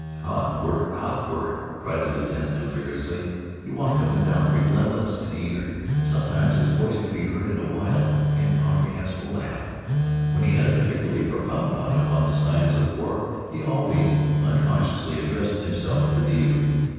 "Hot work! Hot work!" cried the lieutenant deliriously. He walked up and down, restless and eager. Sometimes his voice could be heard in a wild, incomprehensible laugh. When he had a particularly profound thought upon the science of war he always unconsciously addressed himself to the youth.